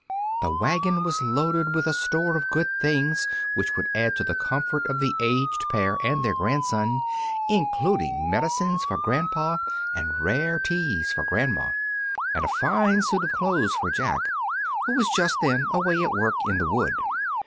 The wagon was loaded with a store of good things which would add to the comfort of the aged pair and their grandson, including medicines for grandpa and rare teas for grandma, and a fine suit of clothes for Jack, who was just then away at work in the wood.